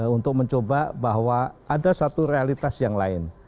untuk mencoba bahwa ada satu realitas yang lain